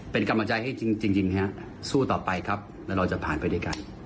เป็นกำลังใจให้จริงสู้ต่อไปครับแล้วเราจะผ่านไปด้วยกัน